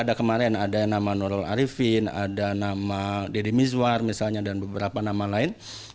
ada kemarin ada yang nama nurul arifin ada nama deddy mizwar misalnya dan beberapa nama lain